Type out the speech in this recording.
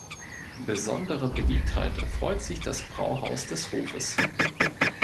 Besonderer Beliebtheit erfreut sich das Brauhaus des Hofes.